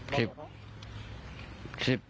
สิบเม็ดได้ครับ